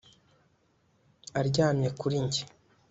aryamye kuri njye